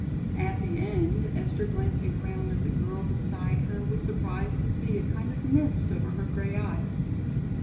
At the end, Esther glancing around at the girl beside her was surprised to see a kind of mist over her gray eyes.